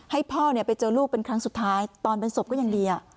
ให้พ่อไปเจอลูกเป็นครั้งสุดท้ายตอนเป็นศพก็ยังดี